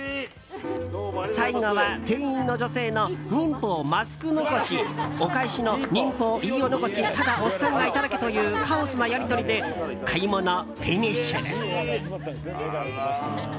最後は店員の女性の忍法マスク残し、お返しの忍法飯尾残しただおっさんがいただけというカオスなやり取りで買い物フィニッシュです。